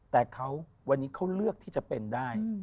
แต่เขาวันนี้เขาเลือกที่จะเป็นได้